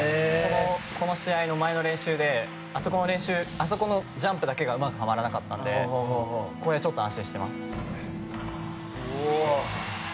この試合の前の練習であそこのジャンプだけがうまくはまらなかったのでここでちょっと安心してます。